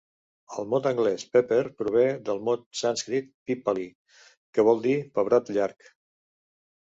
El mot anglès "pepper" prové del mot sànscrit "pippali", que vol dir pebrot llarg.